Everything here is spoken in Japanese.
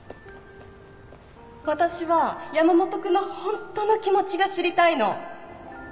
私は山本君のホントの気持ちが知りたいの